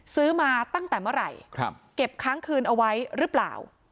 ซื้อมาตั้งแต่เมื่อไหร่เก็บค้างคืนเอาไว้หรือเปล่า